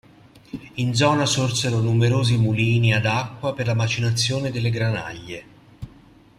In zona sorsero numerosi mulini ad acqua per la macinazione delle granaglie.